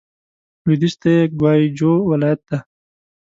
لوېدیځ ته یې ګوای جو ولايت دی.